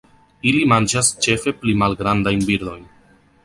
Ili manĝas ĉefe pli malgrandajn birdojn.